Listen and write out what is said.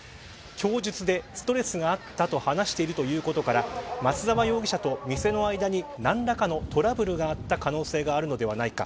供述で、ストレスがあったと話しているということから松沢容疑者と店の間に何らかのトラブルがあった可能性があるのではないか。